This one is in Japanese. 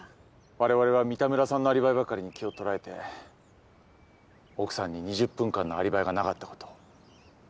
われわれは三田村さんのアリバイばかりに気をとられて奥さんに２０分間のアリバイがなかったこと見落としてました。